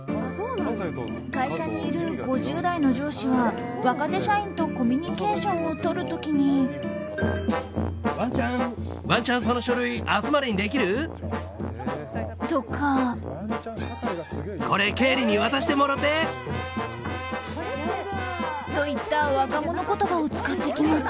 会社にいる５０代の上司は若手社員とコミュニケーションをとる時に。とか。といった若者言葉を使ってきます。